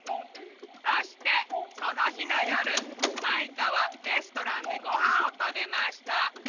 そしてそのひのよるマイカはレストランでごはんをたべました。